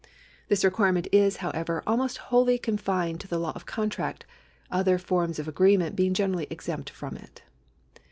This requirement is, however, almost wholly confined to the law of contract, other forms of agree ment being generally exempt from it.